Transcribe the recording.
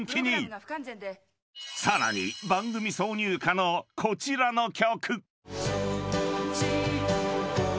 ［さらに番組挿入歌のこちらの曲］